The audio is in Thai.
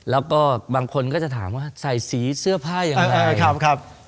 แล้วก็บางคนก็จะถามว่าใส่สีเสื้อผ้าอย่างไร